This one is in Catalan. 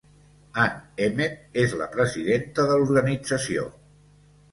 Ann Emmett és la presidenta de l'organització.